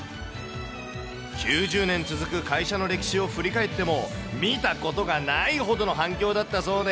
９０年続く会社の歴史を振り返っても、見たことがないほどの反響だったそうで。